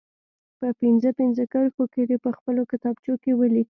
په پنځه پنځه کرښو کې دې په خپلو کتابچو کې ولیکي.